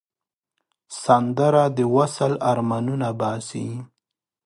سندره د وصل آرمانونه باسي